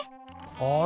あれ？